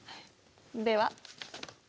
では。